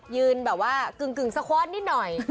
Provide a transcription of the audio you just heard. ยืนแบบว่ากึ่งสะขวดนิดน้อย